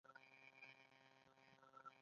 اقتصاد به پیاوړی شي؟